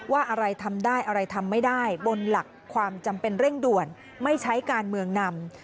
ว่าอะไรทำได้อะไรทำไม่ได้บนหลักความจำเป็นเร่งด่วนไม่ใช้การเมืองนำ